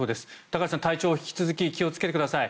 高橋さん、体調引き続き気をつけてください。